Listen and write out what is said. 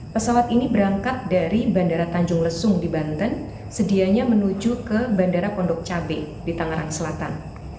pesawat ini berangkat dari bandara tanjung lesung di banten sedianya menuju ke bandara pondok cabe di tangerang selatan